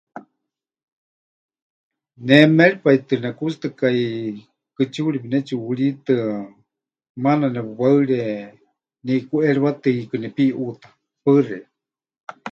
Ne méripai tɨ nekutsitɨkaitɨ kɨtsiuri pɨnetsiʼuhurítɨa, maana nepɨwaɨre, neʼikuʼeriwatɨ hiikɨ nepiʼuuta. Paɨ xeikɨ́a.